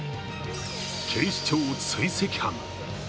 警視庁・追跡班。